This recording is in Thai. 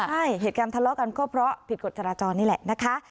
ใช่เหตุการณ์ทะเลาะกันก็เพราะผิดกฎจราจรนี่แหละนะคะ